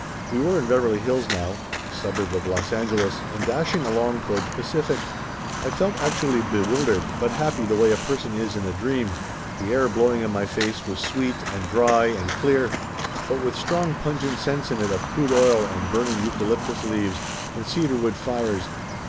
We were in Beverly Hills now, a suburb of Los Angeles, and dashing along toward the Pacific. I felt actually bewildered, but happy the way a person is in a dream. The air blowing in my face was sweet and Laughter Limited 91 dry and clear, but with strong pungent scents in it of crude oil and burning eucalyptus leaves, and cedar wood fires.